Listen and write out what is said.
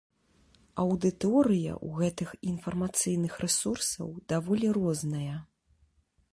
Аўдыторыя ў гэтых інфармацыйных рэсурсаў даволі розная.